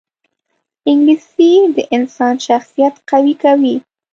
انګلیسي د انسان شخصیت قوي کوي